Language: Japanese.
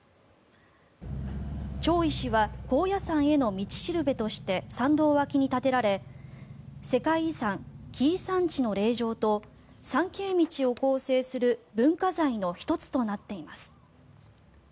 町石は高野山への道しるべとして参道脇に建てられ世界遺産、紀伊山地の霊場と参詣道を構成する文化財の１つとなっています。